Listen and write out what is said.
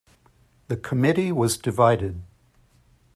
The committee was divided.